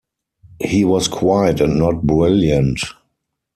He was quiet and not brilliant.